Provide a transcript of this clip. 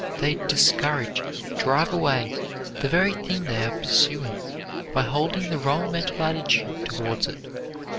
They discourage, drive away, the very thing they are pursuing by holding the wrong mental attitude towards it.